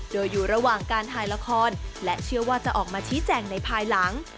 โดยอยู่ระหว่างการถ่ายละครและเชื่อว่าจะออกมาชี้แจงในภายหลัง